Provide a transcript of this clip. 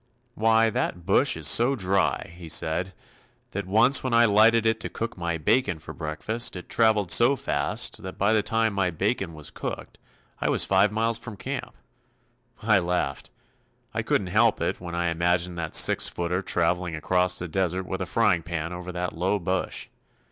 "Why, that bush is so dry," he said, "that once when I lighted it to cook my bacon for breakfast it traveled so fast that by the time my bacon was cooked I was five miles from camp." I laughed I couldn't help it when I imagined that six footer traveling across the desert with a frying pan over that low bush.